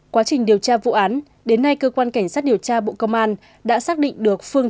quá trình điều tra vụ án đến nay cơ quan cảnh sát điều tra bộ công an đã xác định được phương